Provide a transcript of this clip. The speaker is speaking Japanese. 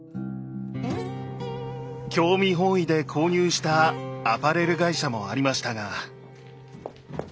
興味本位で購入したアパレル会社もありましたが。